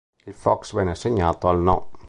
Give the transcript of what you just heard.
Il Fox venne assegnato al No.